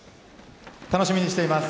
楽しみにしています。